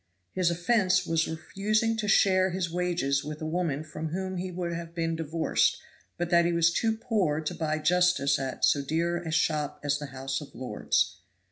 His offense was refusing to share his wages with a woman from whom he would have been divorced, but that he was too poor to buy justice at so dear a shop as the House of Lords.